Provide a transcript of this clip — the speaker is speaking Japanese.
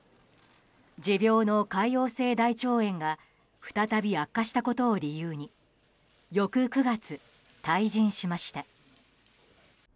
持病の潰瘍性大腸炎が再び悪化したことを理由に翌９月、退陣しました。